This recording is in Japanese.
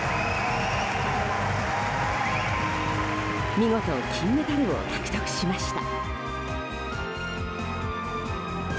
見事金メダルを獲得しました。